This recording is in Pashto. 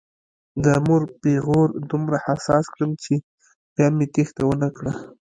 د مور پیغور دومره حساس کړم چې بیا مې تېښته ونه کړه.